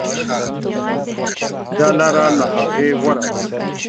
دا لاره له هغې غوره ده.